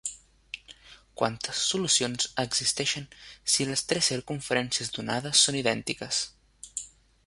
Quantes solucions existeixen si les tres circumferències donades són idèntiques?